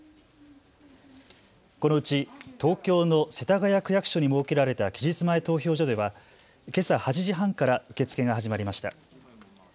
このうち東京の世田谷区役所に設けられた期日前投票所ではけさ８時半から受け付けが始まりました。